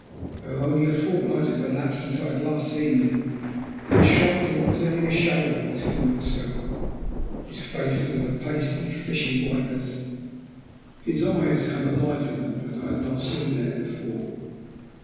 Though only a fortnight had elapsed since I had last seen him, he had shrunk to what was only a shadow of his former self. His face was of a pasty, fishy whiteness, and his eyes had a light in them that I had not seen there before.